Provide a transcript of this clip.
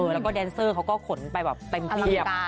แล้วก็แดนเซอร์เขาก็ขนไปแบบเต็มเพียบ